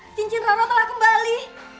cincin roro telah kembali